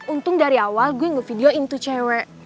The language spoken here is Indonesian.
untung dari awal gue gak video itu cewek